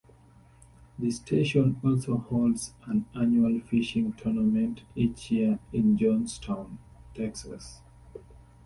The station also holds an annual fishing tournament each year in Jonestown, Texas.